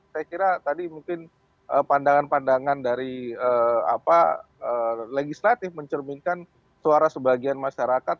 saya kira tadi mungkin pandangan pandangan dari legislatif mencerminkan suara sebagian masyarakat